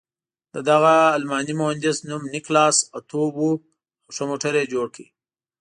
د دغه الماني مهندس نوم نیکلاس اتو و او ښه موټر یې جوړ کړ.